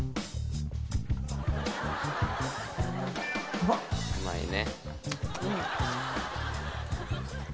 うまいよね。